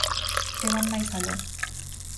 E van máis aló.